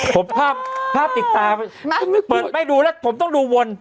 ผมภาพภาพติดตาเปิดไม่ดูแล้วผมต้องดูวน